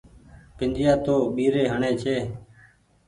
بنديآ تو ٻيري هڻي ڇي۔